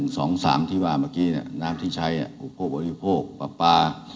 ในอัน๑๒๓ที่บอกเมื่อกี้น้ำที่ใช้อุโภคบริโภคกว่าปลา